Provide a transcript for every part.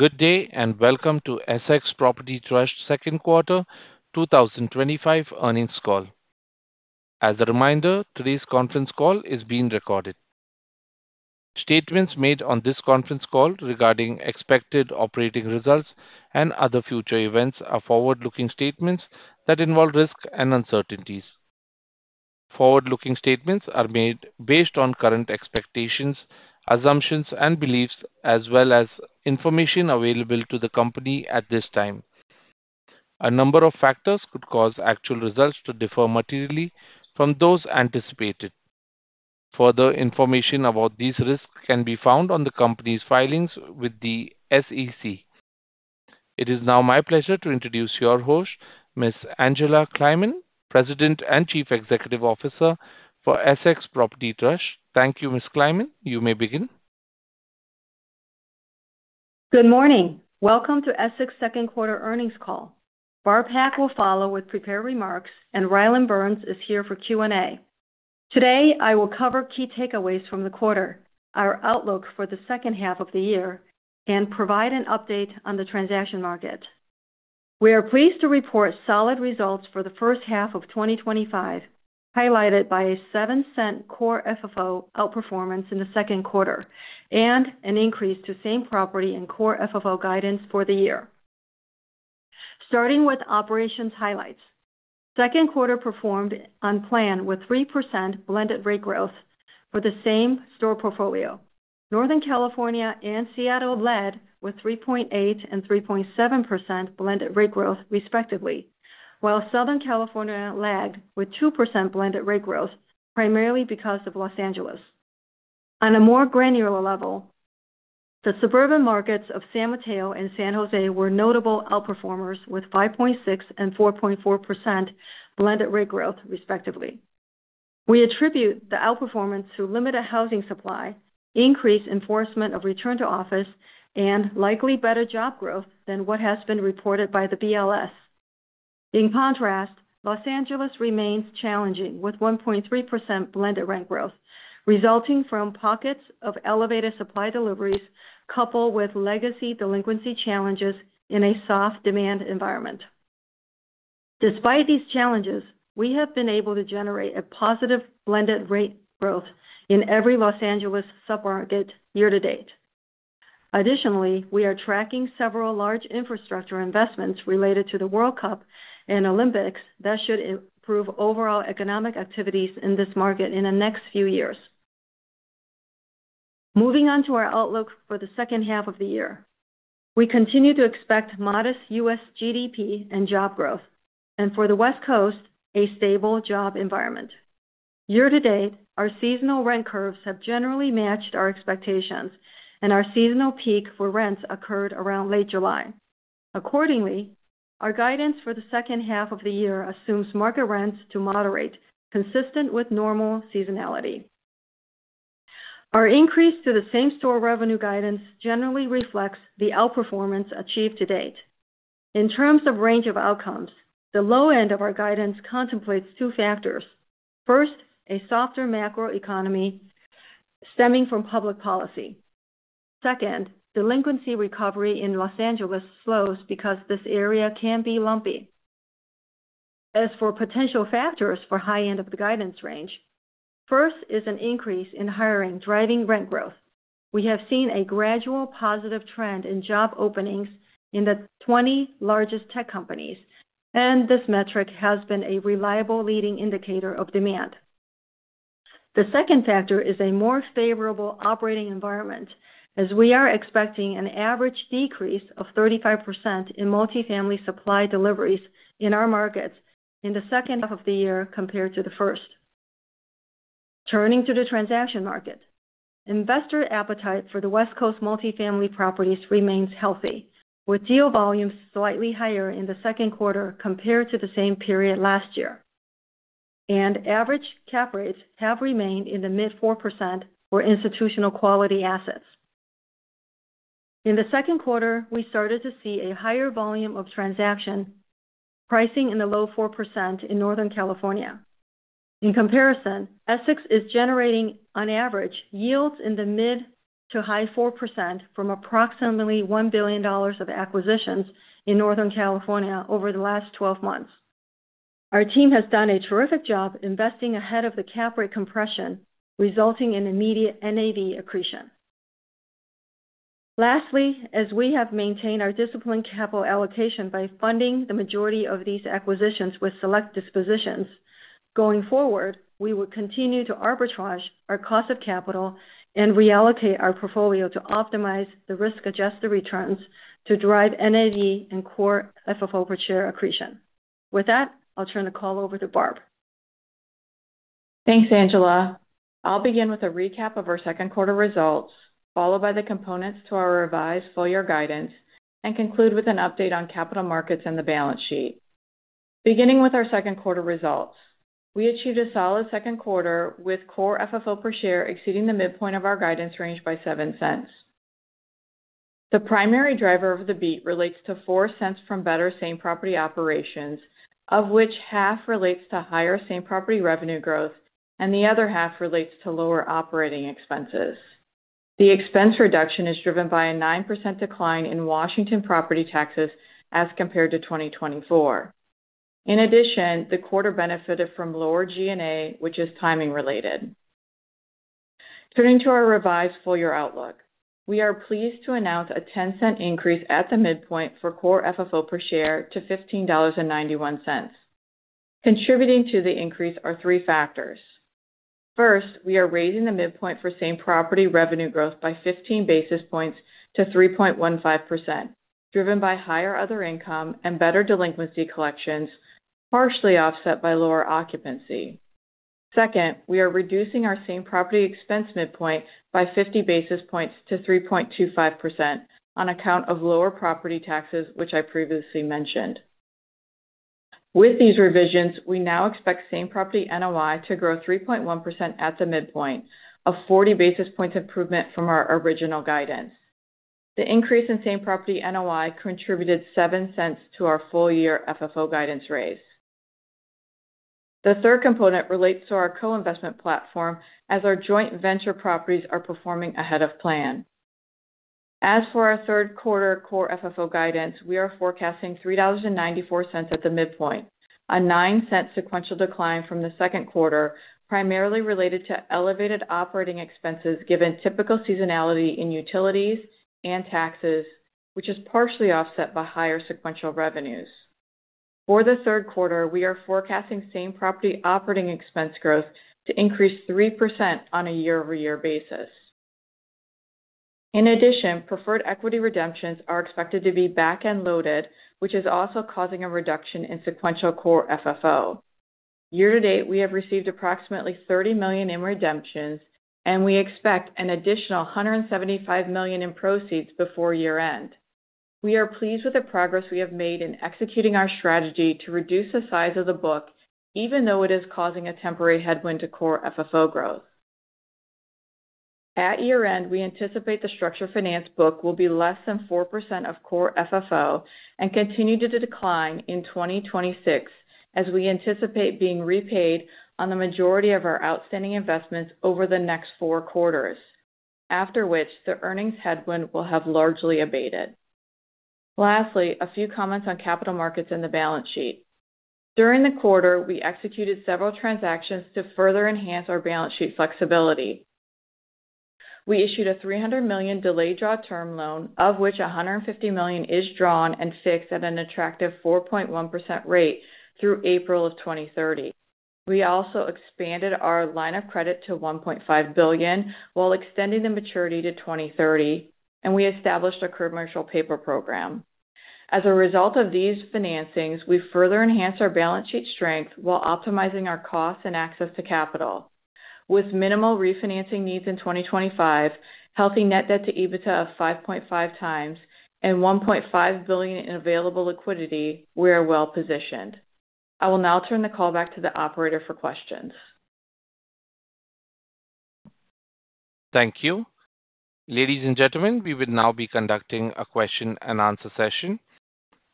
Good day and welcome to Essex Property Trust Q2 2025 earnings call. As a reminder, today's conference call is being recorded. Statements made on this conference call regarding expected operating results and other future events are forward looking statements that involve risks and uncertainties. Forward looking statements are made based on current expectations and assumptions and beliefs, as well as information available to the Company at this time. A number of factors could cause actual results to differ materially from those anticipated. Further information about these risks can be found on the Company's filings with the SEC. It is now my pleasure to introduce your host, Ms. Angela Kleiman, President and Chief Executive Officer for Essex Property Trust. Thank you, Ms. Kleiman. You may begin. Good morning. Welcome to Essex's second quarter earnings call. Barb Pak will follow with prepared remarks and Rylan Burns is here for Q and A today. I will cover key takeaways from the quarter, our outlook for the second half of the year and provide an update on the transaction market. We are pleased to report solid results for the first half of 2025, highlighted by a $0.07 core FFO outperformance in the second quarter and an increase to same-property and core FFO guidance for the year. Starting with operations highlights, second quarter performed on plan with 3% blended rate growth. For the same-store portfolio, Northern California and Seattle led with 3.8% and 3.7% blended rate growth respectively, while Southern California lagged with 2% blended rate growth, primarily because of Los Angeles. On a more granular level, the suburban markets of San Mateo and San Jose were notable outperformers with 5.6% and 4.4% blended rate growth respectively. We attribute the outperformance to limited housing supply, increased enforcement of return-to-office and likely better job growth than what has been reported by the BLS. In contrast, Los Angeles remains challenging with 1.3% blended rent growth resulting from pockets of elevated supply deliveries coupled with legacy delinquency challenges in a soft demand environment. Despite these challenges, we have been able to generate a positive blended rate growth in every Los Angeles submarket year to date. Additionally, we are tracking several large infrastructure investments related to the World Cup and Olympics that should improve overall economic activities in this market in the next few years. Moving on to our outlook for the second half of the year, we continue to expect modest U.S. GDP and job growth and for the West Coast, a stable job environment. Year to date, our seasonal rent curves have generally matched our expectations and our seasonal peak for rents occurred around late July. Accordingly, our guidance for the second half of the year assumes market rents to moderate consistent with normal seasonality. Our increase to the same-property revenue guidance generally reflects the outperformance achieved to date. In terms of range of outcomes, the low end of our guidance contemplates two factors. First, a softer macro economy stemming from public policy. Second, delinquency recovery in Los Angeles slows because this area can be lumpy. As for potential factors for high end of the guidance range, first is an increase in hiring driving rent growth. We have seen a gradual positive trend in job openings in the 20 largest tech companies and this metric has been a reliable leading indicator of demand. The second factor is a more favorable operating environment as we are expecting an average decrease of 35% in multifamily supply deliveries in our markets in the second half of the year compared to the first. Turning to the transaction market, investor appetite for the West Coast multifamily properties remains healthy, with deal volumes slightly higher in the second quarter compared to the same period last year and average cap rates have remained in the mid 4% for institutional quality assets. In the second quarter we started to see a higher volume of transaction pricing in the low 4% in Northern California. In comparison, Essex is generating on average yields in the mid to high 4% from approximately $1 billion of acquisitions in Northern California over the last 12 months. Our team has done a terrific job investing ahead of the cap rate compression resulting in immediate NAV accretion. Lastly, as we have maintained our disciplined capital allocation by funding the majority of these acquisitions with select dispositions going forward, we will continue to arbitrage our cost of capital and reallocate our portfolio to optimize the risk adjusted returns to drive NAV and core FFO for share accretion. With that, I'll turn the call over to Barb. Thanks Angela. I'll begin with a recap of our second quarter results followed by the components to our revised full year guidance and conclude with an update on capital markets and the balance sheet. Beginning with our second quarter results, we achieved a solid second quarter with core FFO per share exceeding the midpoint of our guidance range by $0.07. The primary driver of the beat relates to $0.04 from better same-property operations, of which half relates to higher same-property revenue growth and the other half relates to lower operating expenses. The expense reduction is driven by a 9% decline in Washington property taxes as compared to 2024. In addition, the quarter benefited from lower G&A, which is timing related. Turning to our revised full year outlook, we are pleased to announce a $0.10 increase at the midpoint for core FFO per share to $15.91. Contributing to the increase are three factors. First, we are raising the midpoint for same-property revenue growth by 15 basis points to 3.15% driven by higher other income and better delinquency collections partially offset by lower occupancy. Second, we are reducing our same-property expense midpoint by 50 basis points to 3.25% on account of lower property taxes which I previously mentioned. With these revisions, we now expect same-property NOI to grow 3.1% at the midpoint, a 40 basis points improvement from our original guidance. The increase in same-property NOI contributed $0.07 to our full year FFO guidance raise. The third component relates to our co-investment platform as our joint venture properties are performing ahead of plan. As for our third quarter core FFO guidance, we are forecasting $30.94 at the midpoint, a $0.09 sequential decline from the second quarter primarily related to elevated operating expenses given typical seasonality in utilities and taxes which is partially offset by higher sequential revenues. For the third quarter, we are forecasting same-property operating expense growth to increase 3% on a year-over-year basis. In addition, preferred equity redemptions are expected to be back-end loaded which is also causing a reduction in sequential core FFO year. To date we have received approximately $30 million in redemptions and we expect an additional $175 million in proceeds before year end. We are pleased with the progress we have made in executing our strategy to reduce the size of the book even though it is causing a temporary headwind to core FFO growth at year end. We anticipate the structured finance book will be less than 4% of core FFO and continue to decline in 2026 as we anticipate being repaid on the majority of our outstanding investments over the next four quarters, after which the earnings headwind will have largely abated. Lastly, a few comments on capital markets and the balance sheet. During the quarter we executed several transactions to further enhance our balance sheet flexibility. We issued a $300 million delayed draw term loan of which $150 million is drawn and fixed at an attractive 4.1% rate through April of 2030. We also expanded our line of credit to $1.5 billion while extending the maturity and we established a commercial paper program. As a result of these financings, we further enhance our balance sheet strength while optimizing our costs and access to capital with minimal refinancing needs in 2025. Healthy net debt to EBITDA of 5.5x and $1.5 billion in available liquidity. We are well positioned. I will now turn the call back to the operator for questions. Thank you. Ladies and gentlemen, we will now be conducting a question and answer session.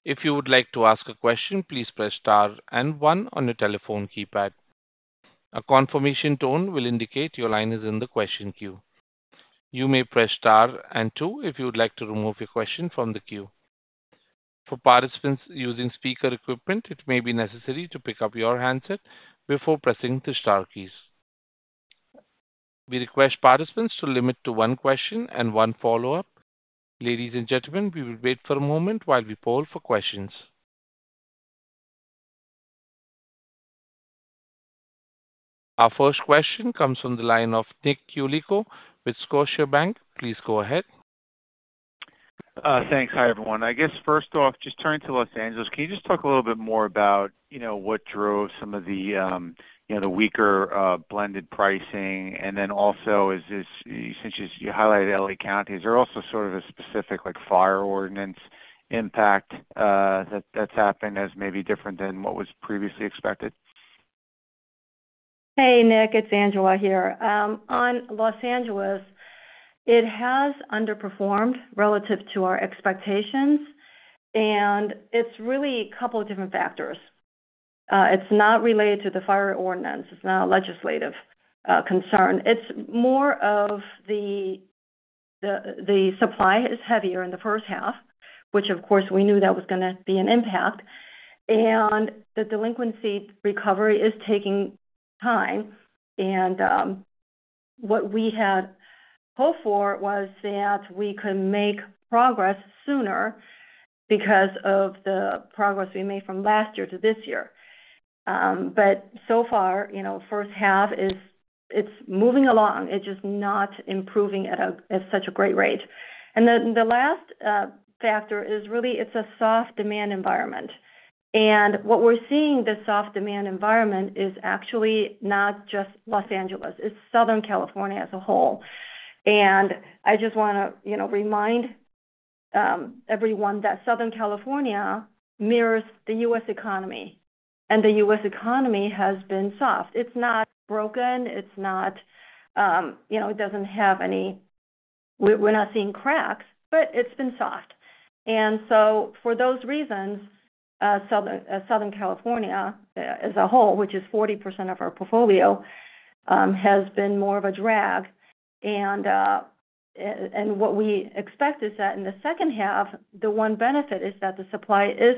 If you would like to ask a question, please press star and one on your telephone keypad. A confirmation tone will indicate your line is in the question queue. You may press star and two if you would like to remove your question from the queue. For participants using speaker equipment, it may be necessary to pick up your handset before pressing the star keys. We request participants to limit to one question and one follow up. Ladies and gentlemen, we will wait for a moment while we poll for questions. Our first question comes from the line of Nick Yulico with Scotiabank. Please go ahead. Thanks. Hi, everyone. I guess first off, just turning to Los Angeles, can you just talk a little bit more about, you know, what drove some of the weaker blended pricing? Also, since you highlighted LA County, is there also sort of a specific, like fire ordinance impact that's happened as maybe different than what was previously expected? Hey, Nick, it's Angela here on Los Angeles. It has underperformed relative to our expectations. It's really a couple of different factors. It's not related to the fire ordinance. It's not a legislative concern. It's more of the supply is heavier in the first half, which of course we knew that was going to be an impact. The delinquency recovery is taking time. What we had hoped for was that we could make progress sooner and because of the progress we made from. Last year to this year. So far, first half is moving along, it's just not improving at such a great rate. The last factor is really, it's a soft demand environment. What we're seeing, the soft demand environment is actually not just Los Angeles, it's Southern California as a whole. I just want to remind everyone that Southern California mirrors the U.S. economy. The U.S. economy has been soft. It's not broken. It's not, you know, it doesn't have any. We're not seeing cracks, but it's been soft. For those reasons, Southern California as a whole, which is 40% of our portfolio, has been more of a drag. What we expect is that in the second half, the one benefit is that the supply is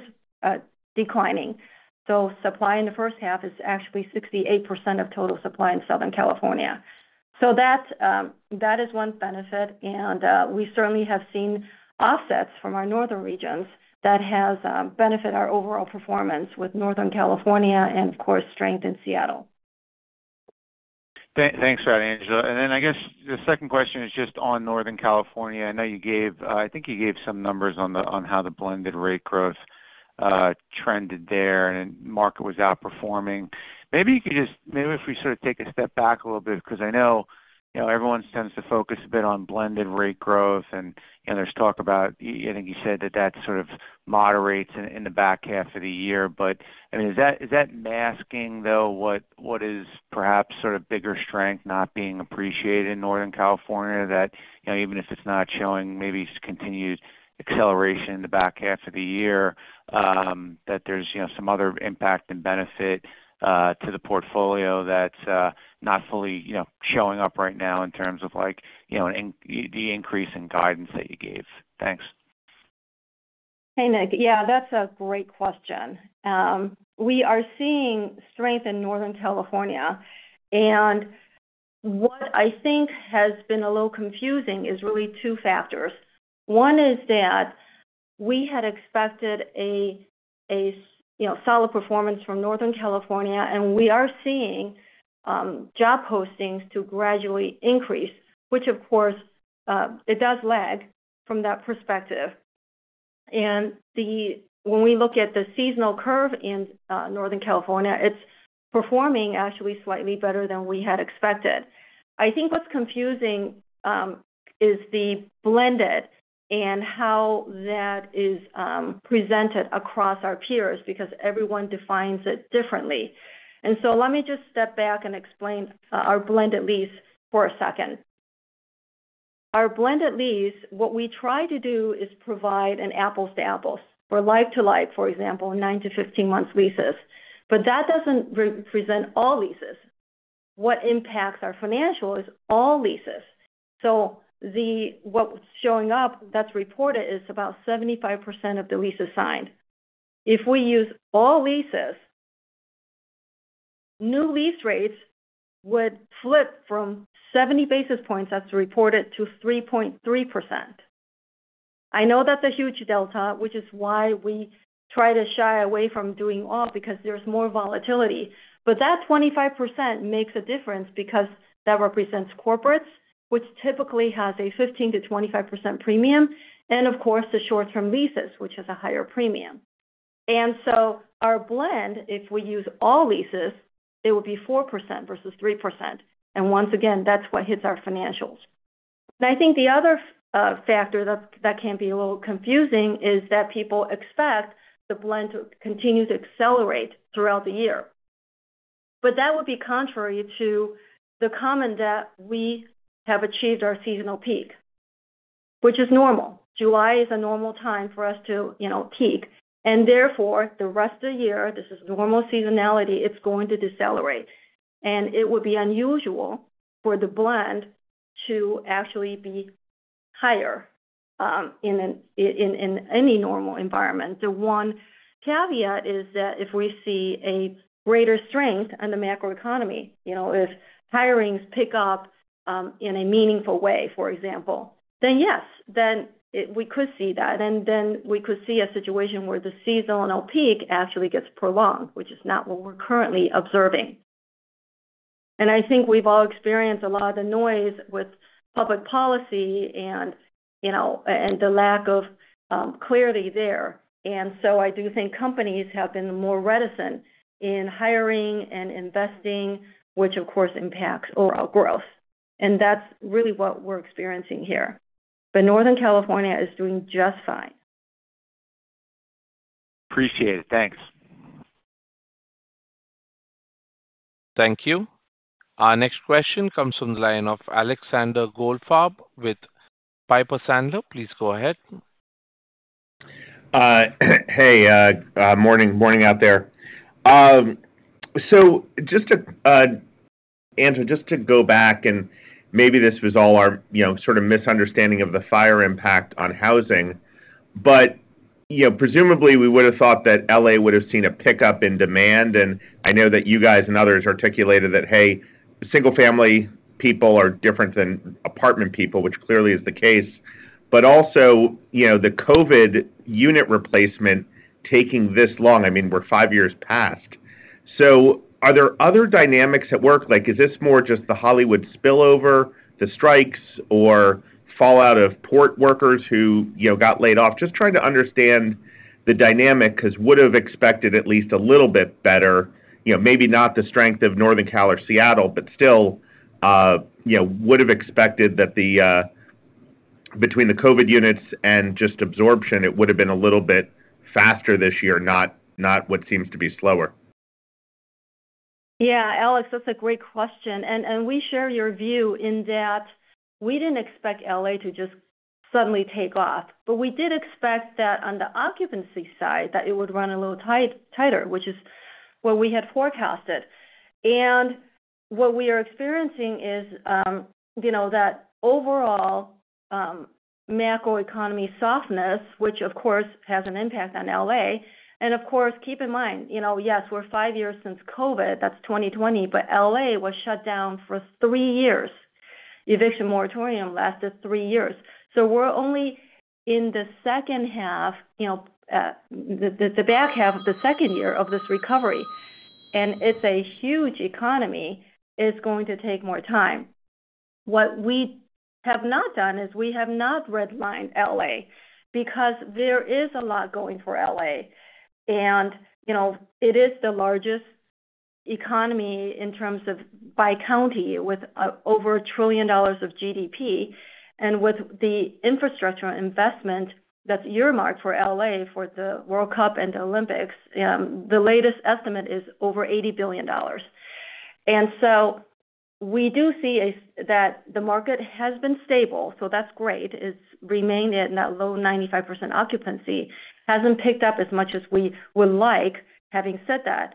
declining. Supply in the first half is actually 68% of total supply in Southern California. That is one benefit. We certainly have seen offsets from our northern regions that has benefited our overall performance, with Northern California and of course strength in Seattle. Thanks for that, Angela. I guess the second question is just on Northern California. I know you gave, I think you gave some numbers on how the blended rate growth trended there and market was outperforming. Maybe you could just, if we sort of take a step back a little bit, because I know everyone tends to focus a bit on blended rate growth and there's talk about, I think you said that that sort of moderates in the back half of the year. I mean, is that masking though what is perhaps sort of bigger strength not being appreciated in Northern California, that even if it's not showing maybe continued acceleration in the back half of the year, that there's some other impact and benefit to the portfolio that's not fully showing up right now in terms of the increase in guidance that you gave. Thanks. Hey Nick. Yeah, that's a great question. We are seeing strength in Northern California and what I think has been a little confusing is really two factors. One is that we had expected a solid performance from Northern California and we are seeing job postings to gradually increase, which of course it does lag from that perspective. When we look at the seasonal curve in Northern California, it's performing actually slightly better than we had expected. I think what's confusing is the blended and how that is presented across our peers because everyone defines it differently. Let me just step back and explain our blend at least for a second. Our blended lease, what we try to do is provide an apples to apples for life to life, for example 9-15 months leases. That doesn't represent all leases. What impacts our financials is all leases. What's showing up that's reported is about 75% of the leases signed. If we use all leases, new lease rates would flip from 70 basis points as reported to 3.3%. I know that's a huge delta which is why we try to shy away from doing all because there's more volatility. That 25% makes a difference because that represents corporates which typically has a 15%-25% premium and of course the short term visas which has a higher premium. Our blend, if we use all leases it will be 4% versus 3% and once again that's what hits our financials. I think the other factor that can be a little confusing is that people expect the blend to continue to accelerate throughout the year. That would be contrary to the comment that we have achieved our seasonal peak which is normal. July is a normal time for us to peak and therefore the rest of the year, this is normal seasonality. It's going to decelerate and it would be unusual for the blend to actually be higher in any normal environment. The one caveat is that if we see a greater strength on the macroeconomy, if hirings pick up in a meaningful way, for example, then yes, then we could see that. We could see a situation where the seasonal peak actually gets prolonged, which is not what we're currently observing. I think we've all experienced a lot of noise with public policy and the lack of clarity there. I do think companies have been more reticent in hiring and investing, which of course impacts overall growth. That's really what we're experiencing here. Northern California is doing just fine. Appreciate it, thanks. Thank you. Our next question comes from the line of Alexander Goldfarb with Piper Sandler. Please go ahead. Hey, morning. Morning out there. Just to Angela, just to go back and maybe this was all our sort of misunderstanding of the fire impact on housing, but presumably we would have thought that LA would have seen a pickup in demand. I know that you guys and others articulated that, hey, single family people are different than apartment people, which clearly is the case. Also, the COVID unit replacement taking this long, I mean, we're five years past. Are there other dynamics at work? Like is this more just the Hollywood spillover, the strikes or fallout of port workers who got laid off? Just trying to understand the dynamic because would have expected at least a little bit better, you know, maybe not the strength of Northern Cal or Seattle, but still, you know, would have expected that between the COVID units and just absorption, it would have been a little bit faster this year, not what seems to be slower. Yeah, Alex, that's a great question. We share your view in that we did not expect LA to just suddenly take off, but we did expect that on the occupancy side that it would run a little tighter, which is what we had forecasted. What we are experiencing is, you know, that overall macroeconomy softness, which of course has an impact on LA. Of course, keep in mind, you know, yes, we're five years since COVID, that's 2020, but LA was shut down for three years. Eviction moratorium lasted three years. We're only in the second half, you know, the back half of the second year of this recovery and it's a huge economy, is going to take more time. What we have not done is we have not redlined LA because there is a lot going for LA and it is the largest economy in terms of by county with over $1 trillion of GDP. With the infrastructure investment that's earmarked for LA for the World Cup and the Olympics, the latest estimate is over $80 billion. We do see that the market has been stable. That's great. It's remained in that low 95% occupancy, has not picked up as much as we would like. Having said that,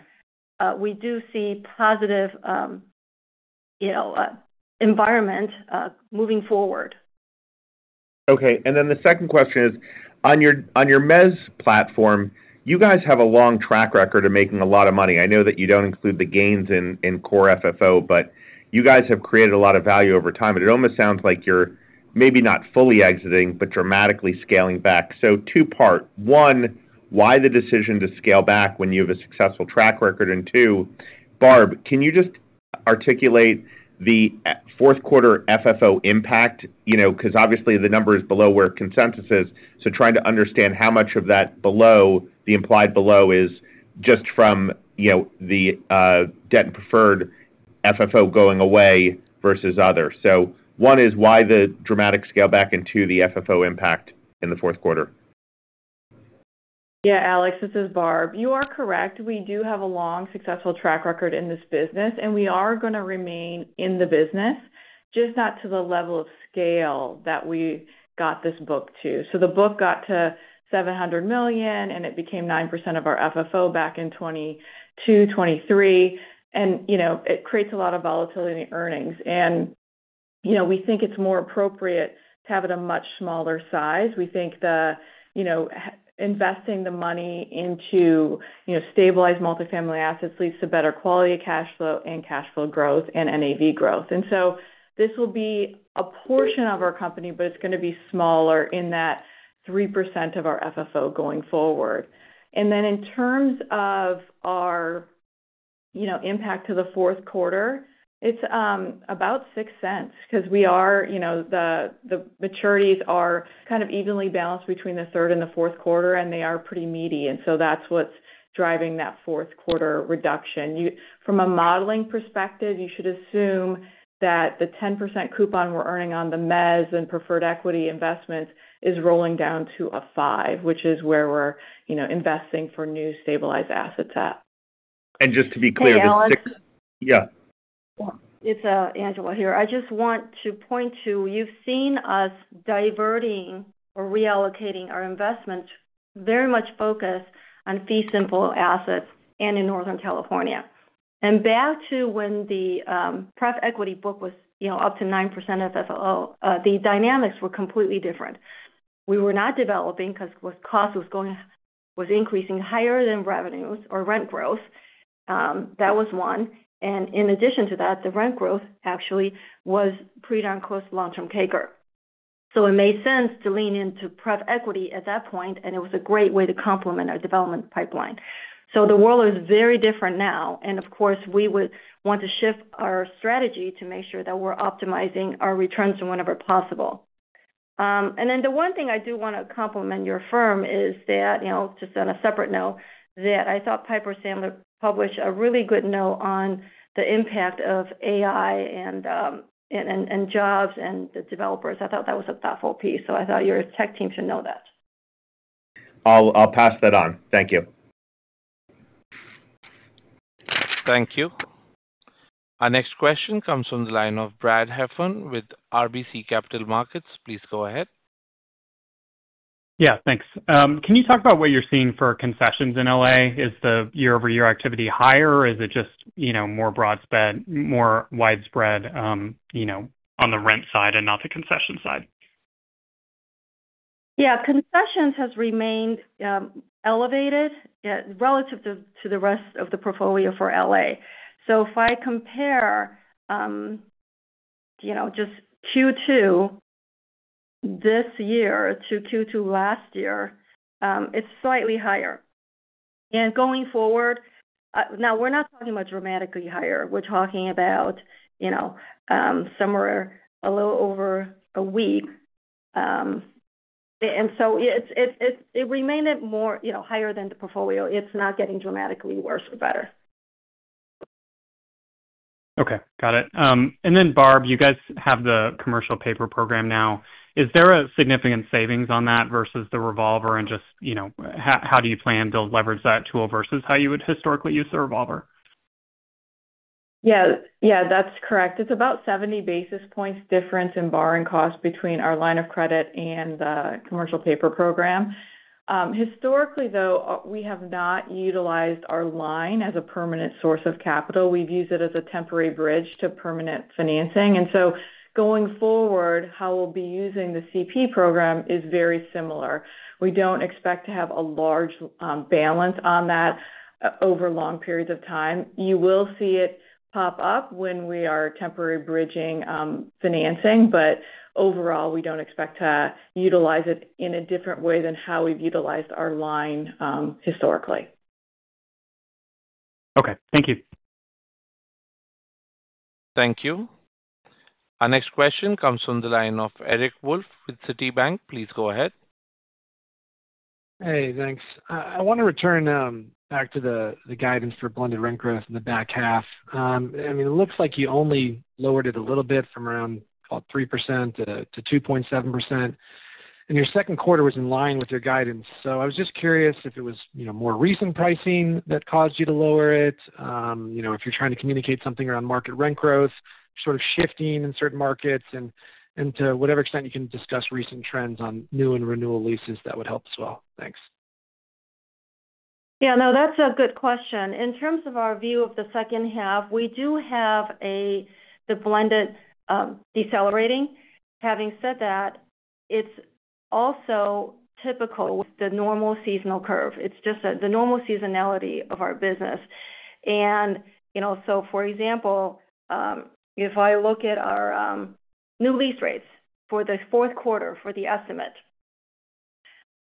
we do see positive environment moving forward. Okay, and then the second question is on your mezz platform, you guys have a long track record of making a lot of money. I know that you don't include the. Gains in core FFO, but you guys have created a lot of value over time. It almost sounds like you're maybe not fully exiting, but dramatically scaling back. Two part, one, why the decision to scale back when you have a successful track record? Two, Barb, can you just articulate the fourth quarter FFO impact? Obviously the number is below where consensus is. Trying to understand how much of that below, the implied below, is just from the debt and preferred FFO going away versus other. One is why the dramatic scale back, and two, the FFO impact in the fourth quarter? Yeah, Alex, this is Barb, you are correct. We do have a long successful track record in this business and we are going to remain in the business just not to the level of scale that we got this book to. So the book got to $700 million and it became 9% of our FFO back in 2023. It creates a lot of volatility in earnings and we think it's more appropriate to have it a much smaller size. We think investing the money into stabilized multifamily assets leads to better quality of cash flow and cash flow growth and NAV growth. This will be a portion of our company, but it's going to be smaller in that 3% of our FFO going forward. In terms of our impact to the fourth quarter, it's about $0.06 because the maturities are kind of evenly balanced between the third and the fourth quarter and they are pretty meaty. That's what's driving that fourth quarter reduction. From a modeling perspective, you should assume that the 10% coupon we're earning on the mezz and preferred equity investments is rolling down to a 5%, which is where we're investing for new stabilized assets. Just to be clear. Yeah, it's Angela here. I just want to point to, you've seen us diverting or reallocating our investment very much focused on fee simple assets and in Northern California. Back to when the prep equity book was up to 9% FFO, the dynamics were completely different. We were not developing because cost was increasing higher than revenues or rent growth. That was one. In addition to that, the rent growth actually was pretty darn close to long-term CAGR, so it made sense to lean into prep equity at that point and it was a great way to complement our development pipeline. The world is very different now and of course we would want to shift our strategy to make sure that we're optimizing our returns whenever possible. The one thing I do want to compliment your firm is that, just on a separate note, I thought Piper Sandler published a really good note on the impact of AI and jobs and the developers. I thought that was a thoughtful piece. I thought your tech team should know that. I'll pass that on. Thank you. Thank you. Our next question comes from the line of Brad Heffern with RBC Capital Markets. Please go ahead. Yeah, thanks. Can you talk about what you're seeing for concessions in L.A.? Is the year over year activity higher or is it just, you know, more broadspread, more widespread, you know, on the rent side and not the concession side? Yeah, concessions has remained elevated relative to the rest of the portfolio for LA. If I compare, you know, just Q2 this year to Q2 last year, it's slightly higher. Going forward now we're not talking about dramatically higher. We're talking about, you know, somewhere a little over a week. It remained more, you know, higher than the portfolio. It's not getting dramatically worse or better. Okay, got it. And then Barb, you guys have the commercial paper program now, is there a. Significant savings on that versus the revolver? Just, you know, how do you plan to leverage that tool versus how. You would historically use the revolver? Yeah, yeah, that's correct. It's about 70 basis points difference in borrowing cost between our line of credit and the commercial paper program. Historically though, we have not utilized our line as a permanent source of capital. We've used it as a temporary bridge to permanent financing. Going forward, how we'll be using the CP program is very similar. We don't expect to have a large balance on that over long periods of time. You will see it pop up when we are temporary bridging financing, but overall we don't expect to utilize it in a different way than how we've utilized our line historically. Okay, thank you. Thank you. Our next question comes from the line of Eric Wolfe with Citibank. Please go ahead. Hey, thanks. I want to return back to the guidance for blended rent growth in the back half. I mean, it looks like you only lowered it a little bit from around 3% to 2.7%. And your second quarter was in line with your guidance. I was just curious if it was more recent pricing that caused you to lower it? You know, if you're trying to communicate something around market rent growth sort of shifting in certain markets, and to whatever extent you can discuss recent trends on new and renewal leases, that would help as well. Thanks. Yeah, no, that's a good question. In terms of our view of the second half, we do have a, the blended decelerating. Having said that, it's also typical with the normal seasonal curve. It's just the normal seasonality of our business. For example, if I look at our new lease rates for the fourth quarter, for the estimate,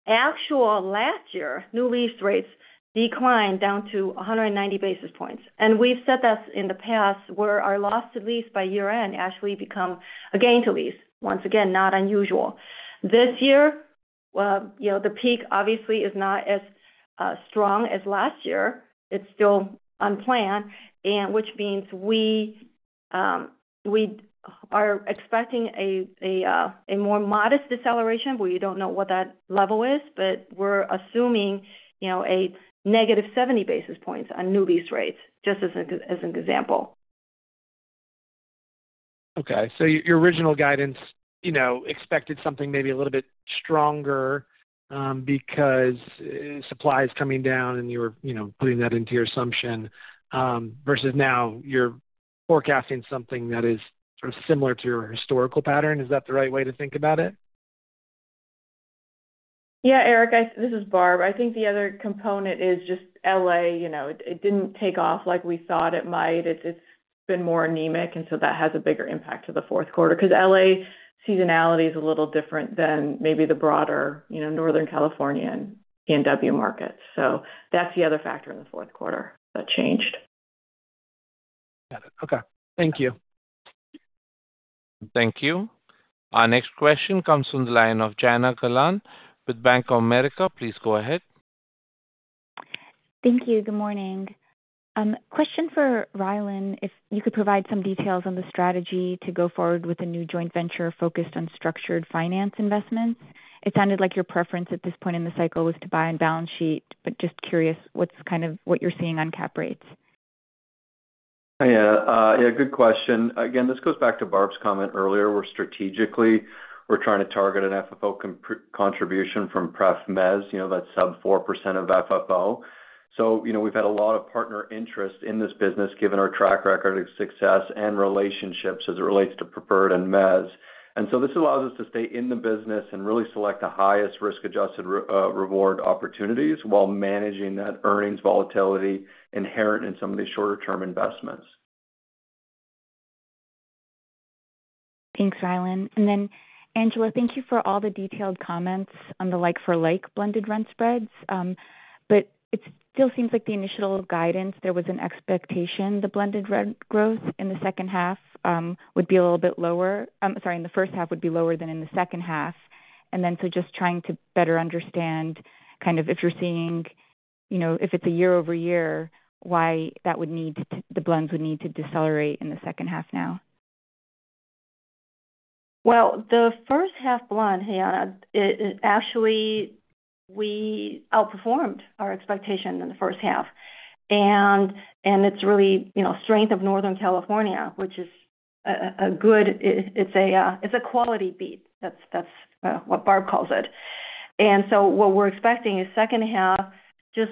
actual last year, new lease rates declined down to 190 basis points. We've said that in the past where our loss to lease by year end actually become a gain to lease once again, not unusual this year. The peak obviously is not as strong as last year. It's still unplanned, which means we are expecting a more modest deceleration. We do not know what that level is, but we're assuming a -70 basis points on new lease rates, just as an example. Okay, so your original guidance expected something maybe a little bit stronger because supply is coming down and you were putting that into your assumption versus now you're forecasting something that is sort of similar to your historical pattern. Is that the right way to think about it? Yeah. Eric, this is Barb. I think the other component is just LA. It did not take off like we thought it might. It has been more anemic. That has a bigger impact to the fourth quarter because LA seasonality is a little different than maybe the broader Northern California. That is the other factor in the fourth quarter that changed. Okay, thank you. Thank you. Our next question comes from the line of Janna Kalan with Bank of America. Please go ahead. Thank you. Good morning. Question for Rylan. If you could provide some details on. The strategy to go forward with a new joint venture focused on structured finance investments. It sounded like your preference at this point in the cycle was to buy on balance sheet. Just curious, what's kind of what you're seeing on cap rates? Yeah, yeah, good question. Again, this goes back to Barb's comment earlier. Strategically, we're trying to target an FFO contribution from pref mezz. You know, that's sub 4% of FFO. You know, we've had a lot of partner interest in this business given our track record of success and relationships as it relates to preferred and mezz. This allows us to stay in the business and really select the highest risk-adjusted reward opportunities while managing that earnings volatility inherent in some of these shorter term investments. Thanks Rylan. Angela, thank you for all the detailed comments on the like for like blended rent spreads. It still seems like the initial guidance there was an expectation the blended rent growth in the second half would be a little bit lower. Sorry, in the first half would be lower than in the second half. Just trying to better understand kind of if you're seeing, you know, if it's a year over year, why that would need the blends would need to decelerate in the second half now. The first half blend, Heyana, actually we outperformed our expectations in the first half and it's really, you know, strength of Northern California, which is a good, it's a quality beat. That's what Barb calls it. What we're expecting is second half just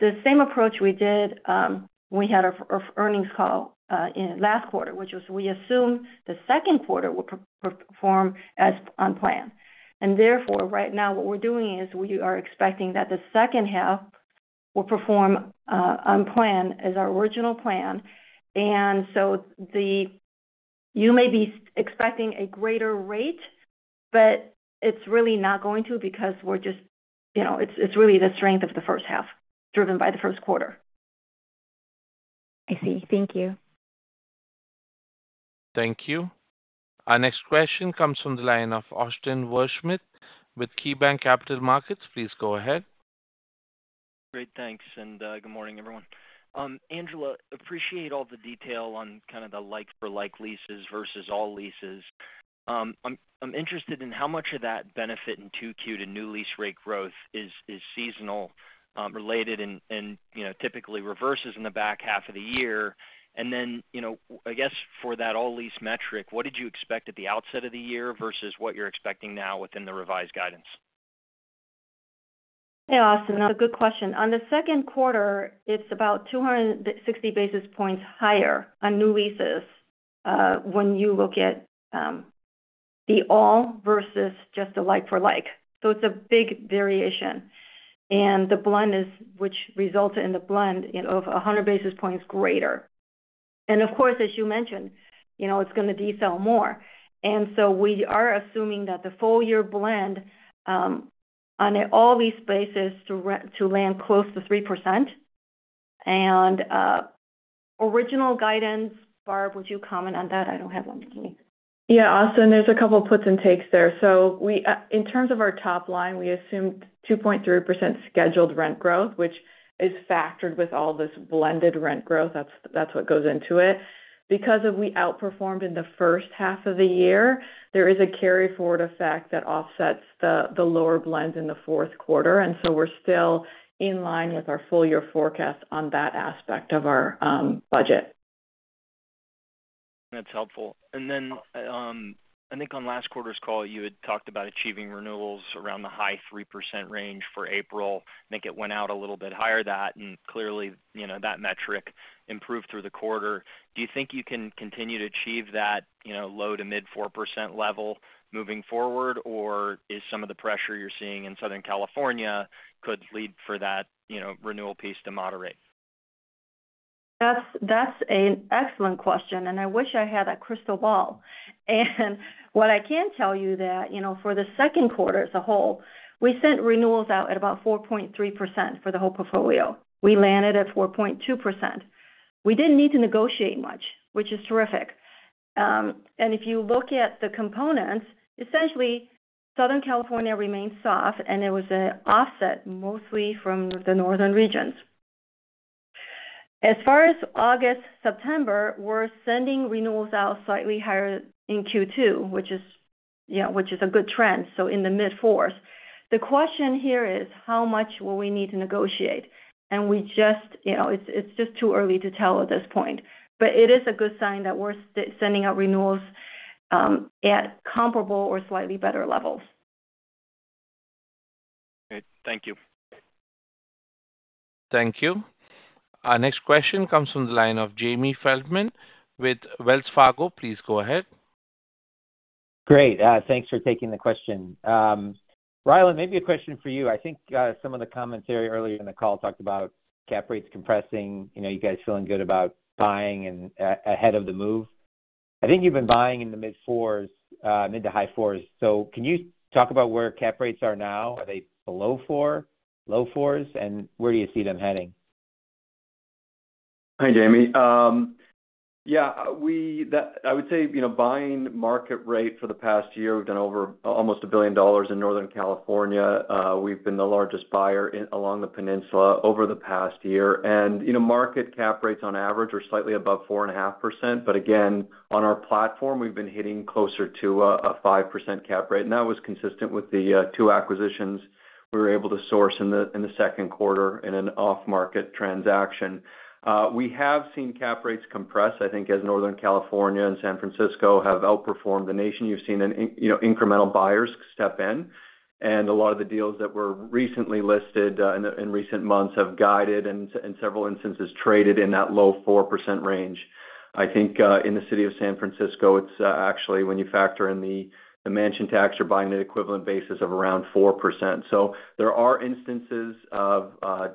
the same approach we did when we had our earnings call last quarter, which was we assume the second quarter will perform as unplanned and therefore right now what we're doing is we are expecting that the second half will perform on plan as our original plan. You may be expecting a greater rate but it's really not going to because we're just, you know, it's really the strength of the first half driven by the first quarter. I see. Thank you. Thank you. Our next question comes from the line of Austin Wurschmidt with KeyBanc Capital Markets. Please go ahead. Great, thanks and good morning everyone. Angela, appreciate all the detail on kind of the like for like leases versus all leases. I'm interested in how much of that. Benefit in 2Q to new lease rate growth is seasonal related and typically reverses in the back half of the year. I guess for that all. Lease metric, what did you expect at? The outset of the year versus what? You're expecting now within the revised guidance? Austin, Good question. On the second quarter it's about 260 basis points higher on new leases. When you look at the all versus just the like for like. It is a big variation and the blend is which resulted in the blend of 100 basis points greater. Of course as you mentioned, you know it's going to decel more. We are assuming that the full year blend on all these basis to land close to 3% and original guidance. Barb, would you comment on that? I don't have one. Yeah, Austin, there's a couple puts and takes there. In terms of our top line, we assumed 2.3% scheduled rent growth, which is factored with all this blended rent growth. That's what goes into it. Because we outperformed in the first half of the year, there is a carry forward effect that offsets the lower blend in the fourth quarter. We are still in line with our full year forecast on that aspect of our budget. That's helpful. I think on last quarter's call you had talked about achieving renewals. Around the high 3% range for April. I think it went out a little bit higher than that and clearly that metric. Improved through the quarter. Do you think you can continue to? Achieve that low to mid 4% level moving forward or is some of the pressure you're seeing in Southern California could. Lead for that, you know, renewal piece to moderate? That's an excellent question and I wish I had a crystal ball. What I can tell you is that, you know, for the second quarter as a whole, we sent renewals out at about 4.3% for the whole portfolio, we landed at 4.2%. We did not need to negotiate much, which is terrific. If you look at the components, essentially Southern California remained soft and it was an offset mostly from the northern regions. As far as August, September, we are sending renewals out slightly higher in Q2, which is a good trend. In the mid-4s, the question here is how much will we need to negotiate? We just, it's just too early to tell at this point, but it is a good sign that we are sending out renewals at comparable or slightly better levels. Thank you. Thank you. Our next question comes from the line of Jamie Feldman with Wells Fargo. Please go ahead. Great. Thanks for taking the question. Rylan, maybe a question for you. I think some of the commentary earlier in the call talked about cap rates compressing. You know, you guys feeling good about buying and ahead of the move? I think you've been buying in the mid fours, mid to high fours. So can you talk about where cap rates are now? Are they below four, low fours? And where do you see them heading? Hi Jamie. Yeah, we, that I would say, you know, buying market rate. For the past year we have done over almost $1 billion in Northern California. We have been the largest buyer along the peninsula over the past year and, you know, market cap rates on average are slightly above 4.5%. Again, on our platform we have been hitting closer to a 5% cap rate and that was consistent with the two acquisitions we were able to source in the second quarter. In an off market transaction we have seen cap rates compress. I think as Northern California and San Francisco have outperformed the nation, you have seen incremental buyers step in and a lot of the deals that were recently listed in recent months have guided and in several instances traded in that low 4% range. I think in the city of San Francisco it is actually, when you factor in the mansion tax, you are buying an equivalent basis of around 4%. There are instances of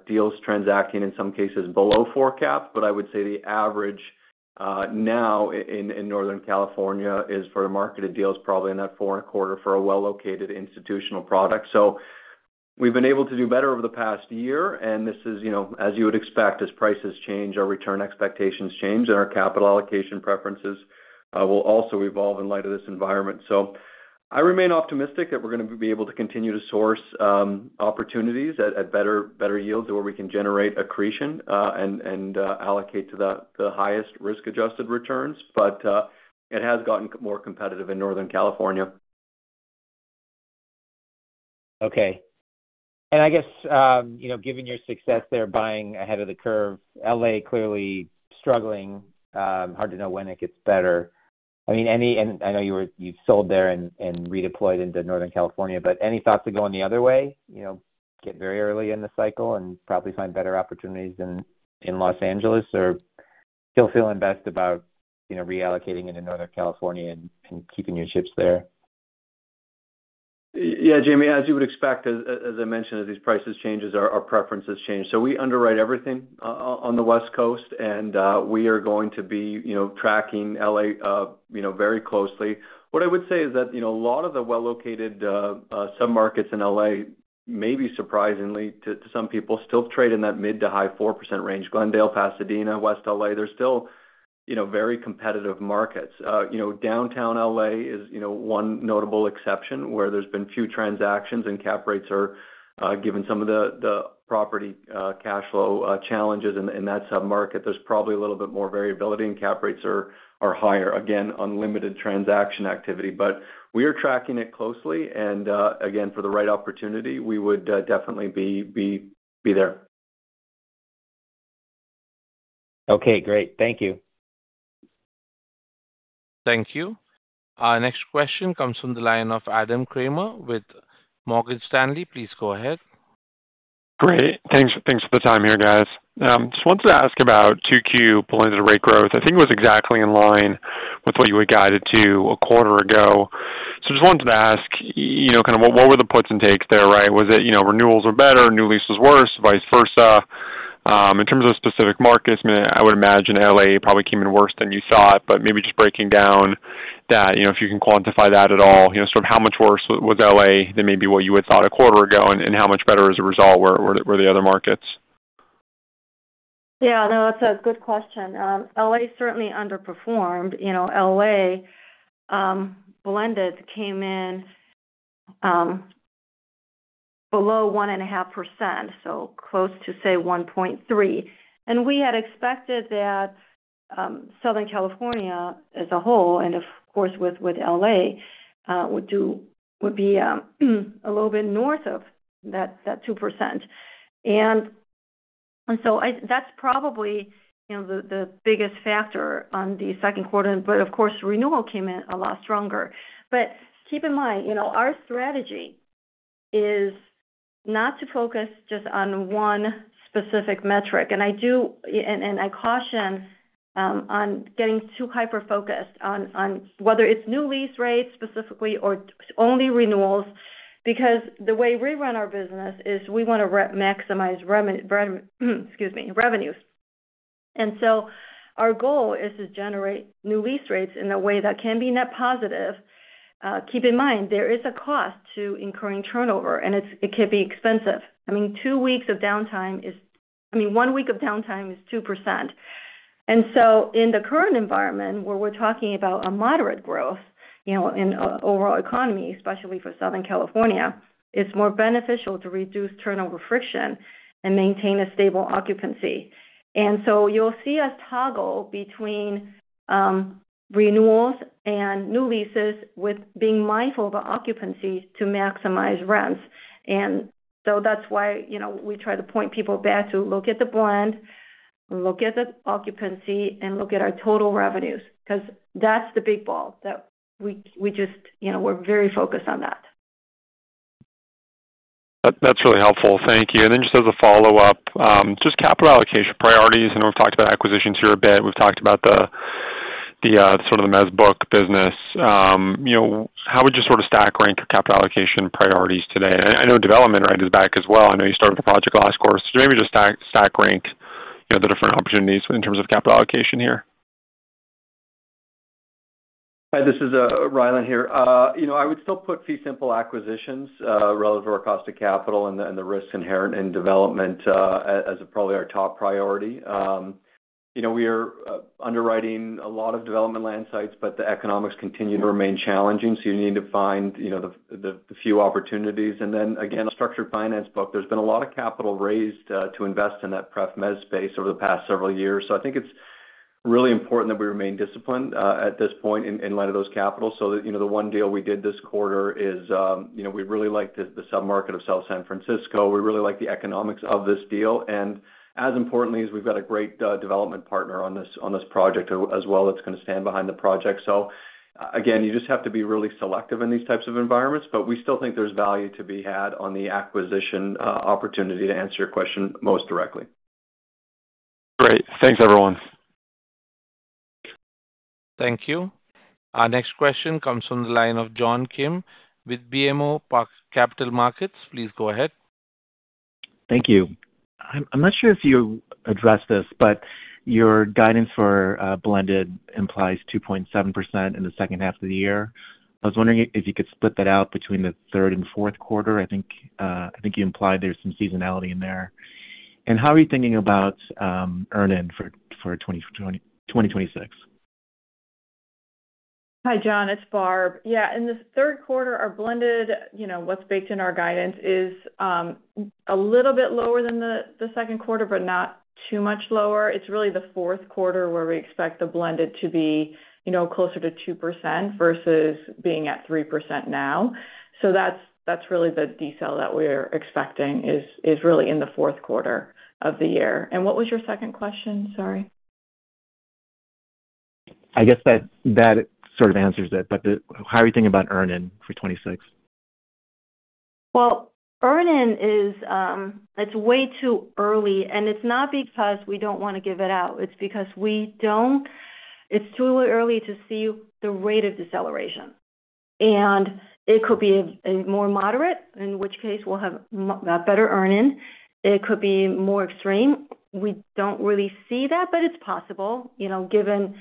deals transacting in some cases below 4% cap. I would say the average now in Northern California is for the market of deals probably in that 4.25% for a well-located institutional product. We have been able to do better over the past year. This is as you would expect. As prices change, our return expectations change and our capital allocation preferences will also evolve in light of this environment. I remain optimistic that we are going to be able to continue to source opportunities at better yields where we can generate accretion and allocate to the highest risk adjusted returns. It has gotten more competitive in Northern California. Okay. I guess given your success there, buying ahead of the curve, clearly struggling hard to know when it gets better. I mean, any, and I know you've sold there and redeployed into Northern California, but any thoughts are going the other way? You know, get very early in the cycle and probably find better opportunities than in Los Angeles or still feeling best about, you know, reallocating into Northern California and keeping your chips there. Yeah, Jamie, as you would expect, as I mentioned, as these prices change, our preferences change. So we underwrite everything on the West Coast and we are going to be tracking LA very closely. What I would say is that a lot of the well-located submarkets in LA, maybe surprisingly to some people, still trade in that mid to high 4% range. Glendale, Pasadena, West LA, they are still very competitive markets. Downtown LA is one notable exception where there have been few transactions and cap rates are, given some of the property cash flow challenges in that submarket, there is probably a little bit more variability and cap rates are higher. Again, limited transaction activity. We are tracking it closely and again, for the right opportunity, we would definitely be there. Okay, great. Thank you. Thank you. Our next question comes from the line of Adam Kramer with Morgan Stanley. Please go ahead. Great. Thanks for the time here, guys. Just wanted to ask about 2Q pointed rate growth. I think it was exactly in line with what you had guided to a quarter ago. I just wanted to ask, what were the puts and takes there? Was it renewals are better, new leases worse, vice versa? In terms of specific markets, I would imagine LA probably came in worse than you thought, but maybe just breaking down that if you can quantify that at all, how much worse was LA than maybe what you had thought a quarter ago? How much better or as a result were the other markets? Yeah, that's a good question. Louisiana certainly underperformed. Louisiana blended came in below 1.5%, so close to say 1.3%. We had expected that Southern California as a whole, and of course with LA, would be a little bit north of that 2%. That's probably the biggest factor on the second quarter. Of course, renewal came in a lot stronger. Keep in mind our strategy is not to focus just on one specific metric, and I caution on getting too hyper focused on whether it's new lease rates specifically or only renewals, because the way we run our business is we want to maximize revenues. Our goal is to generate new lease rates in a way that can be net positive. Keep in mind, there is a cost to incurring turnover and it can be expensive. I mean, two weeks of downtime is—I mean, one week of downtime is 2%. In the current environment where we're talking about a moderate growth in overall economy, especially for Southern California, it's more beneficial to reduce turnover friction and maintain a stable occupancy. You'll see us toggle between renewals and new leases, being mindful of occupancy to maximize rents. That's why we try to point people back to look at the blend, look at the occupancy, and look at our total revenues, because that's the big ball. We just—we're very focused on that. That's really helpful, thank you. Just as a follow up, just capital allocation priorities. We've talked about acquisitions here a bit. We've talked about sort of the mezz book business. How would you sort of stack rank your capital allocation priorities today. I know development right is back as well. I know you started with the project last course. Maybe just stack ranked the different opportunities in terms of capital allocation here. Hi, this is Rylan here. You know, I would still put fee simple acquisitions relative to our cost of capital and the risks inherent in development as probably our top priority. You know we are underwriting a lot of development land sites but the economics continue to remain challenging. You need to find, you know, the few opportunities. Again, structured finance book, there's been a lot of capital raised to invest in that pref mezz space over the past several years. I think it's really important that we remain disciplined at this point in light of those capitals. The one deal we did this quarter is we really like the submarket of South San Francisco. We really like the economics of this deal. As importantly, we've got a great development partner on this project as well that's going to stand behind the project. You just have to be really selective in these types of environments. We still think there's value to be had on the acquisition opportunity. To answer your question most directly. Great, thanks everyone. Thank you. Our next question comes from the line of John Kim with BMO Capital Markets. Please go ahead. Thank you. I'm not sure if you addressed this, but your guidance for blended implies 2.7% in the second half of the year. I was wondering if you could split that out between the third and fourth quarter. I think, I think you implied there's some seasonality in there. How are you thinking about earn in for 2026? Hi John, it's Barb. Yeah, in the third quarter our blended, you know what's baked in our guidance is a little bit lower than the second quarter, but not too much lower. It's really the fourth quarter where we expect the blended to be, you know, closer to 2% versus being at 3% now. That's really the detail that we're expecting is really in the fourth quarter of the year. And what was your second question? Sorry. I guess that sort of answers it. How are you thinking about earn in for 2026? Earn in is way too early and it's not because we don't want to give it out, it's because we don't. It's too early to see the rate of deceleration and it could be more moderate in which case we'll have better earning. It could be more extreme. We don't really see that. It's possible given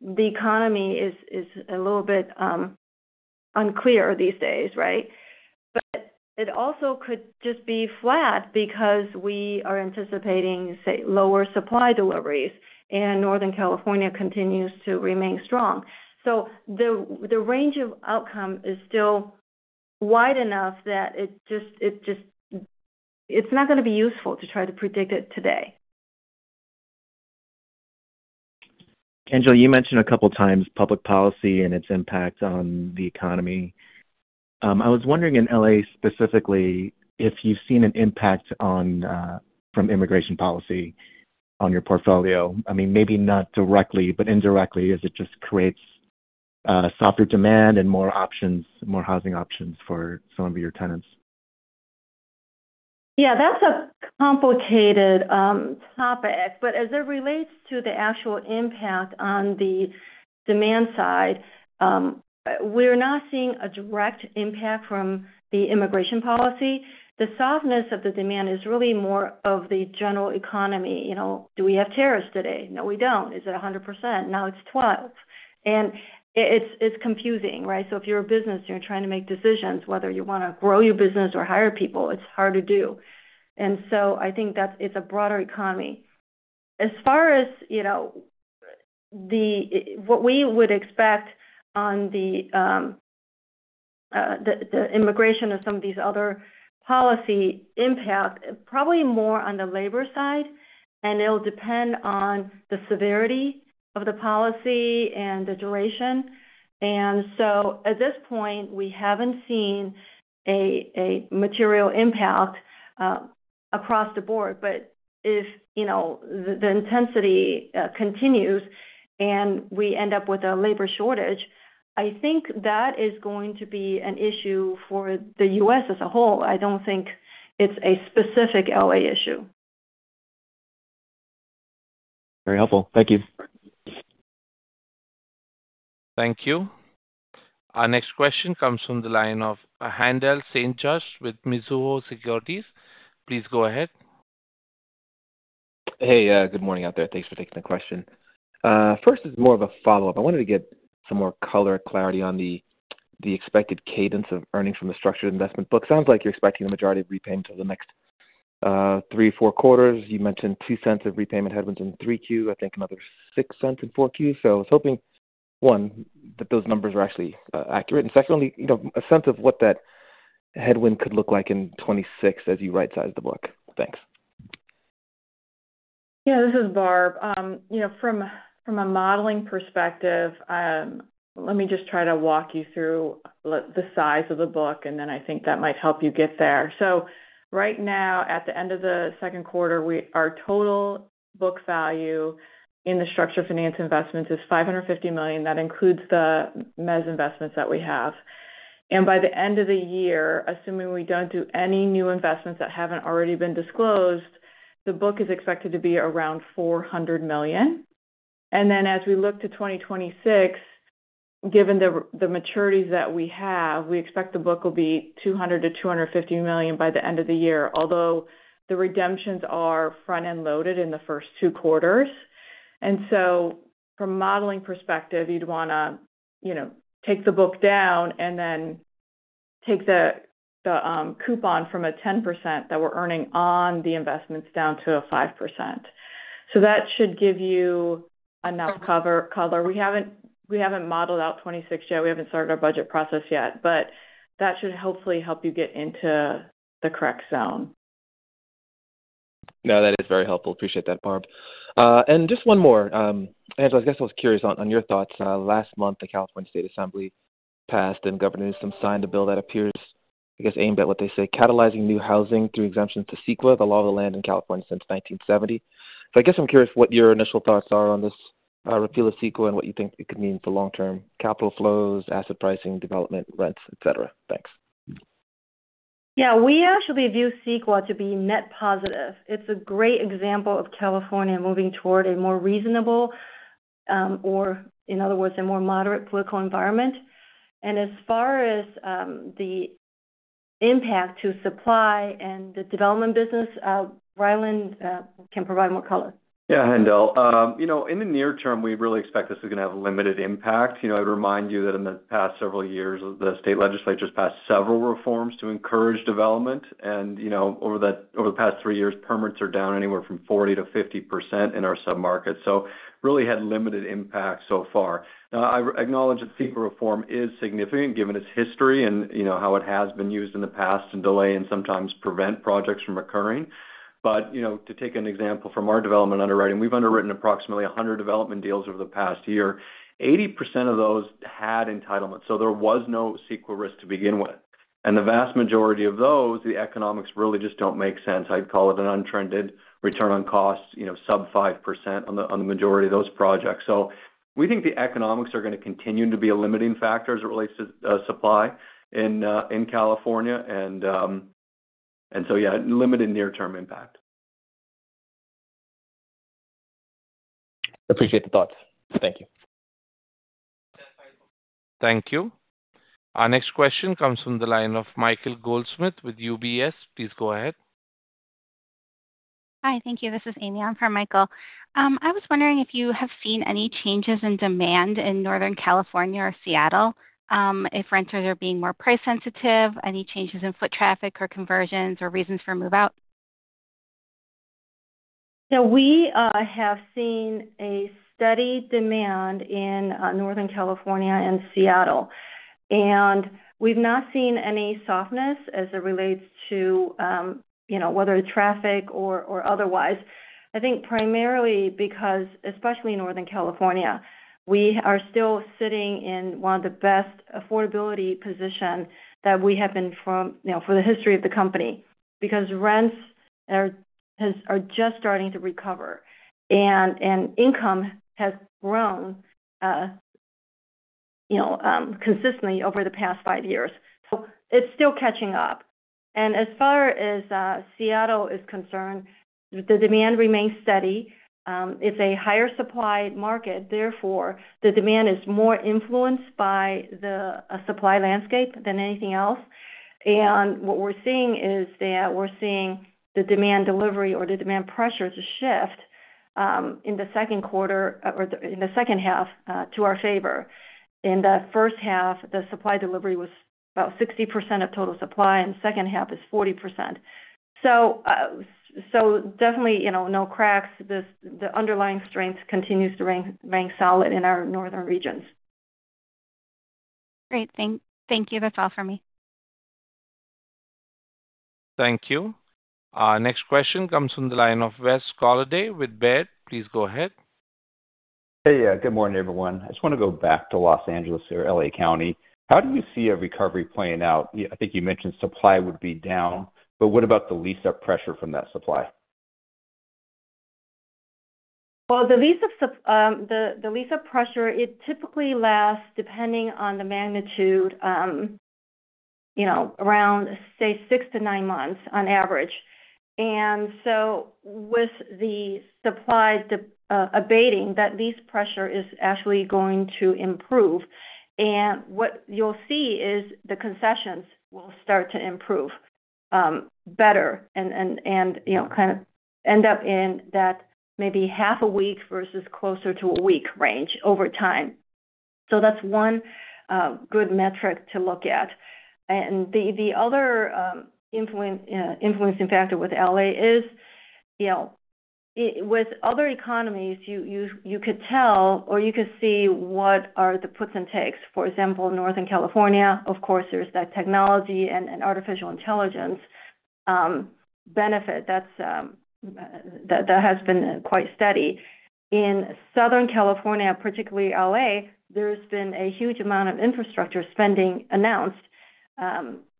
the economy is a little bit unclear these days. It also could just be flat because we are anticipating lower supply deliveries and Northern California continues to remain strong. The range of outcome is still wide enough that it's not going to be useful to try to predict it today. Angela, you mentioned a couple times public policy and its impact on the economy. I was wondering in L.A. specifically if you've seen an impact on from immigration policy on your portfolio. I mean, maybe not directly, but indirectly as it just creates softer demand and more options, more housing options for some of your tenants. Yeah, that's a complicated topic. But as it relates to the actual impact on the demand side, we're not seeing a direct impact from the immigration policy. The softness of the demand is really more of the general economy. You know, do we have tariffs today? No, we don't. Is it 100% now It's what? and it's confusing. Right. If you're a business, you're trying to make decisions whether you want to grow your business or hire people, it's hard to do. I think that it's a broader economy as far as what we would expect on the immigration of some of these other policy impact, probably more on the labor side. It will depend on the severity of the policy and the duration. At this point we haven't seen a material impact across the board. If the intensity continues and we end up with a labor shortage, I think that is going to be an issue for the U.S. as a whole. I don't think it's a specific L.A. issue. Very helpful, thank you. Thank you. Our next question comes from the line of Haendel St. Juste with Mizuho Securities. Please go ahead. Hey, good morning out there. Thanks for taking the question. First is more of a follow-up. I wanted to get some more color, clarity on the expected cadence of earning from the structured investment book. Sounds like you're expecting the majority of repayments over the next three quarters. You mentioned $0.02 of repayment headwinds in 3Q. I think another $0.06 in 4Q. I was hoping, one, that those numbers are actually accurate and, secondly, a sense of what that headwind could look like in 2026 as you right size the book. Thanks. Yeah, this is Barb from a modeling perspective. Let me just try to walk you through the size of the book and then I think that might help you get there. Right now at the end of the second quarter, our total book value in the structured finance investments is $550 million. That includes the mezz investments that we have. By the end of the year, assuming we do not do any new investments that have not already been disclosed, the book is expected to be around $400 million. As we look to 2026, given the maturities that we have, we expect the book will be $200 million-$250 million by the end of the year. Although the redemptions are front end loaded in the first two quarters. From a modeling perspective, you would want to take the book down and then take the coupon from a 10% that we are earning on the investments down to a 5%. That should give you enough color. We have not modeled out 2026 yet. We have not started our budget process yet. That should hopefully help you get into the correct zone. No, that is very helpful. Appreciate that, Barb. Just one more, Angela, I guess I was curious on your thoughts. Last month the California State Assembly passed and Governor Newsom signed a bill that appears, I guess aimed at what they say catalyzing new housing through exemptions to CEQA, the law of the land in California since 1970. I guess I am curious what your initial thoughts are on this repeal of CEQA and what you think it could mean for long term capital flows, asset pricing, development, rents, et cetera. Thanks. Yeah, we actually view CEQA to be net positive. It's a great example of California moving toward a more reasonable or, in other words, a more moderate political environment. As far as the impact to supply and the development business, Rylan can provide more color. Yeah, Handel, you know, in the near term we really expect this is going to have limited impact. You know, I'd remind you that in the past several years the state legislatures passed several reforms to encourage development. You know, over the past three years, permits are down anywhere from 40%-50% in our submarkets. Really had limited impact so far. I acknowledge that FEMA reform is significant given its history and you know how it has been used in the past to delay and sometimes prevent projects from occurring. You know, to take an example from our development underwriting, we've underwritten approximately 100 development deals over the past year. 80% of those had entitlement, so there was no CEQA risk to begin with. The vast majority of those, the economics really just do not make sense. I'd call it an untrended return on cost, you know, sub 5% on the majority of those projects. We think the economics are going to continue to be a limiting factor as it relates to supply in California. Yeah, limited near term impact. Appreciate the thoughts. Thank you. Thank you. Our next question comes from the line of Michael Goldsmith with UBS. Please go ahead. Hi. Thank you. This is Amy. I'm for Michael. I was wondering if you have seen any changes in demand in Northern California or Seattle. If renters are being more price sensitive, any changes in foot traffic or conversions or reasons for move out. We have seen a steady demand in Northern California and Seattle and we've not seen any softness as it relates to, you know, whether traffic or otherwise. I think primarily because especially in Northern California, we are still sitting in one of the best affordability position that we have been from, you know, for the history of the company because rents are just starting to recover and income has grown consistently over the past five years. It's still catching up. As far as Seattle is concerned, the demand remains steady. It's a higher supply market. Therefore the demand is more influenced by the supply landscape than anything else. What we're seeing is that we're seeing the demand delivery or the demand pressure to shift in the second quarter or in the second half to our favor. In the first half the supply delivery was about 60% of total supply and second half is 40%. Definitely no cracks. The underlying strength continues to rank solid in our northern regions. Great, thank you. That's all for me. Thank you. Next question comes from the line of Wes Golladay with Baird, please go ahead. Hey, good morning everyone. I just want to go back to. Los Angeles or LA County. How do you see a recovery playing out? I think you mentioned supply would be down, but what about the lease-up pressure from that supply? The lease pressure, it typically lasts depending on the magnitude, around six to nine months on average. With the supply abating, that lease pressure is actually going to improve. What you'll see is the concessions will start to improve better and kind of end up in that maybe half a week versus closer to a week range over time. That is one good metric to look at. The other influencing factor with L.A. is with other economies. You could tell or you could see what are the puts and takes. For example, Northern California. Of course there is that technology and artificial intelligence benefit that has been quite steady. In Southern California, particularly L.A., there has been a huge amount of infrastructure spending announced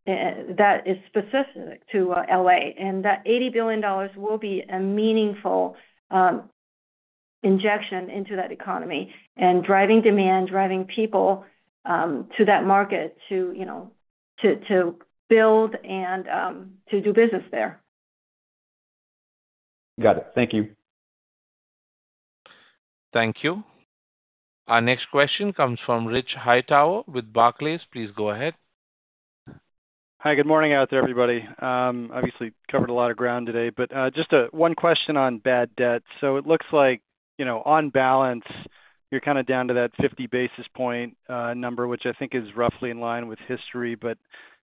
that is specific to L.A. That $80 billion will be a meaningful injection into that economy and driving demand, driving people to that market to build and to do business there. Got it. Thank you. Thank you. Our next question comes from Rich Hightower with Barclays. Please go ahead. Hi, good morning out there. Everybody obviously covered a lot of ground today, but just one question on bad debt. It looks like on balance you're kind of down to that 50 basis point number, which I think is roughly in line with history.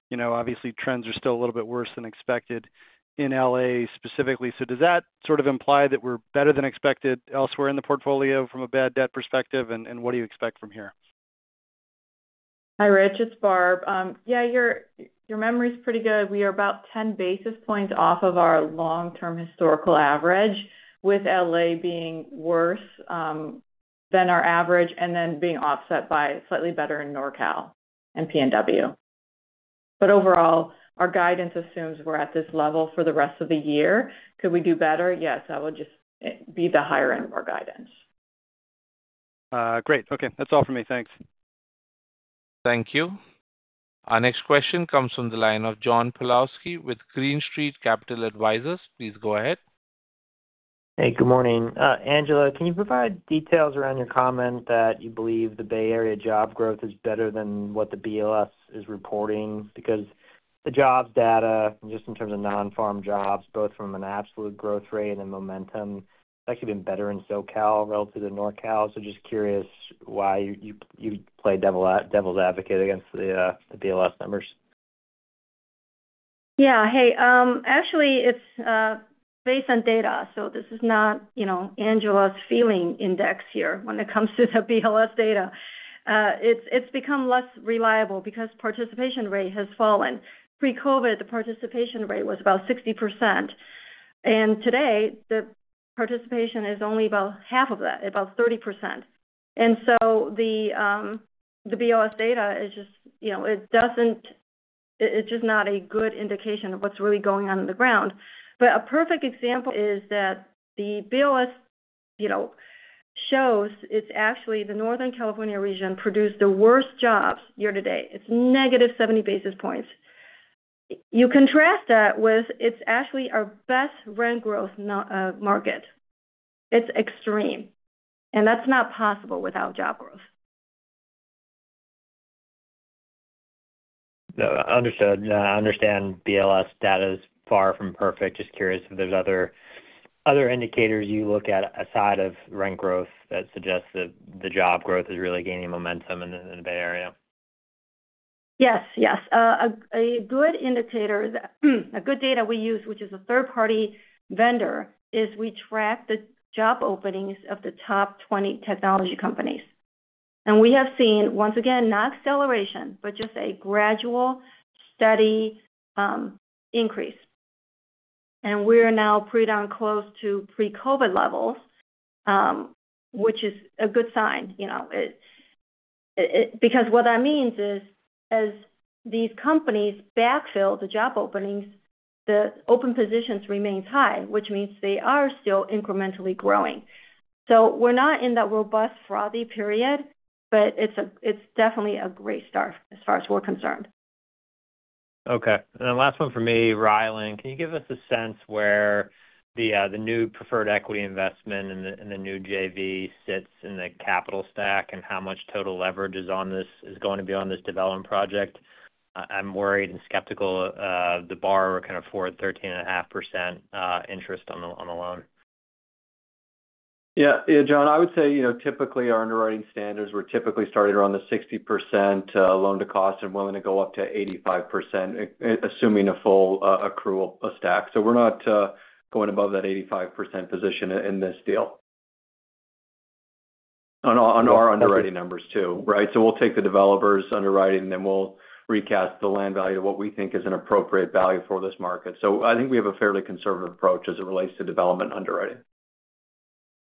You know, obviously trends are still a little bit worse than expected in L.A. specifically. Does that sort of imply that we're better than expected elsewhere in the portfolio from a bad debt perspective? What do you expect from here? Hi Rich, it's Barb. Yeah, your memory's pretty good. We are about 10 basis points off of our long-term historical average with L.A. being worse than our average and then being offset by slightly better in NorCal. Overall our guidance assumes we're at this level for the rest of the year. Could we do better? Yes, that would just be the higher end of our guidance. Great. Okay, that's all for me, thanks. Thank you. Our next question comes from the line of John Pawlowski with Green Street Capital Advisors. Please go ahead. Hey, good morning, Angela. Can you provide details around your comment that you believe the Bay Area job growth is better than what the BLS is reporting? Because the jobs data, just in terms of nonfarm jobs, both from an absolute growth rate and momentum, actually has been better in SoCal relative to NorCal. Just curious why you play devil's advocate against the BLS numbers? Yeah, hey, actually it's based on data, so this is not Angela's feeling index here. When it comes to the BLS data, it's become less reliable because participation rate has fallen. Pre-Covid the participation rate was about 60% and today the participation is only about half of that, about 30%. And so the BLS data is just, you know, it doesn't, it's just not a good indication of what's really going on in the ground. A perfect example is that the BLS, you know, shows it's actually the Northern California region produced the worst jobs year to date. It's -70 basis points. You contrast that with, it's actually our best rent growth market. It's extreme and that's not possible without job growth. Understood. I understand BLS data is far from perfect. Just curious if there's other indicators you look at aside of rent growth that suggests that the job growth is really gaining momentum in the Bay Area? Yes, yes, a good indicator. A good data we use, which is a third-party vendor, is we track the job openings of the top 20 technology companies. We have seen once again, not acceleration, but just a gradual steady increase. We are now pretty darn close to pre-Covid levels, which is a good sign because what that means is as these companies backfill the job openings, the open positions remains high, which means they are still incrementally growing. We're not in that robust, frothy period, but it's definitely a great start. As far as we're concerned. Okay, and the last one for me. Rylan, can you give us a sense where the new preferred equity investment and the new JV sits in the capital stack and how much total leverage is on this is going to be on this development project? I'm worried and skeptical. The borrower can afford 13.5% interest on the loan. Yeah, John, I would say, you know, typically our underwriting standards were typically started around the 60% loan to cost and willing to go up to 85% increase assuming a full accrual stack. So we're not going above that 85% position in this deal on our underwriting numbers too. Right. So we'll take the developers underwriting, then we'll recast the land value to what we think is an appropriate value for this market. So I think we have a fairly conservative approach as it relates to development underwriting.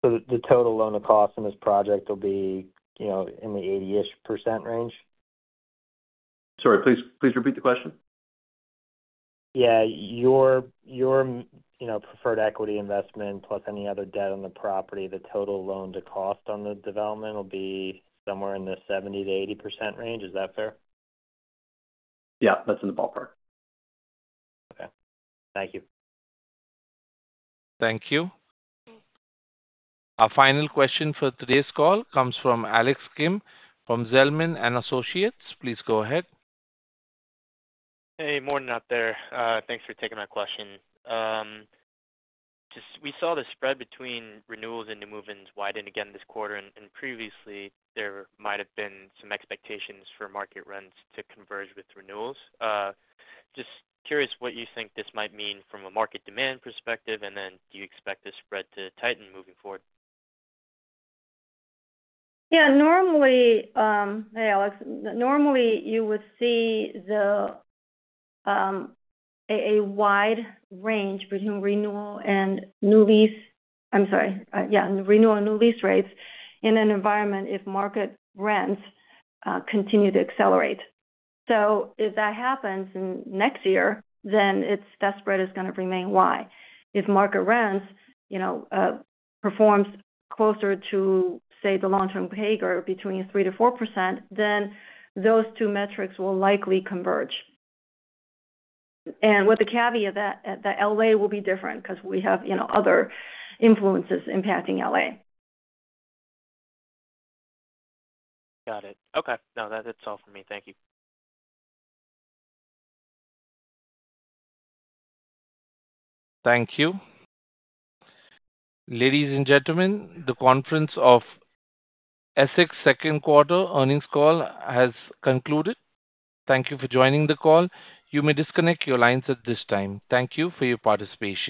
So the total loan to cost in this project will be, you know, in the 80% range. Sorry, please repeat the question. Yeah, your preferred equity investment, plus any other debt on the property, the total loan to cost on the development will be somewhere in the 70-80% range. Is that fair? Yeah, that's in the ballpark. Okay, thank you. Thank you. Our final question for today's call comes from Alex Kim from Zelman & Associates. Please go ahead. Hey, morning out there. Thanks for taking my question. We saw the spread between renewals and new move-ins widen again this quarter. Previously there might have been some expectations for market rents to converge with renewals. Just curious what you think this might mean from a market demand perspective. Do you expect the spread to tighten moving forward? Yeah, normally. Hey, Alex. Normally you would see a wide range between renewal and new lease. I'm sorry, yeah. Renewal, new lease rates in an environment, if market rents continue to accelerate. If that happens in next year, then that spread is going to remain wide. If market rents performs closer to, say, the long-term behavior between 3%-4%, then those two metrics will likely converge. With the caveat that LA will be different because we have other influences, impacting LA. Got it. Okay. That's all for me. Thank you. Thank you. Ladies and gentlemen, the conference of Essex second quarter earnings call has concluded. Thank you for joining the call. You may disconnect your lines at this time. Thank you for your participation.